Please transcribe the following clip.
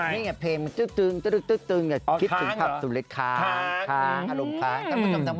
ทำไมเพลงมีคุณคาด